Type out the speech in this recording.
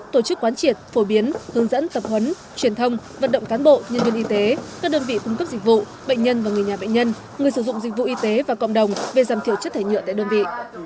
tổ chức quán triệt phổ biến hướng dẫn tập huấn truyền thông vận động cán bộ nhân viên y tế các đơn vị cung cấp dịch vụ bệnh nhân và người nhà bệnh nhân người sử dụng dịch vụ y tế và cộng đồng về giảm thiểu chất thải nhựa tại đơn vị